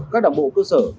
các đảng bộ cơ sở